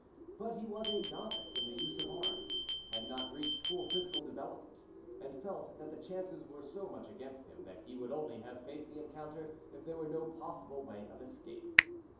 But he was a novice in the use of arms, had not reached full physical development, and felt that the chances were so much against him that he would only have faced the encounter if there were no possible way of escape.